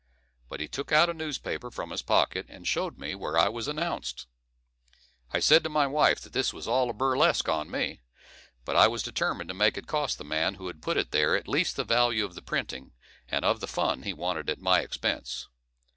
But he took out a newspaper from his pocket, and show'd me where I was announced. I said to my wife that this was all a burlesque on me, but I was determined to make it cost the man who had put it there at least the value of the printing, and of the fun he wanted at my expense.